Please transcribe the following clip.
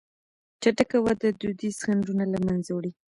چټکه وده دودیز خنډونه له منځه وړي.